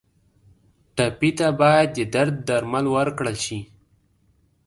ټپي ته باید د درد درمل ورکړل شي.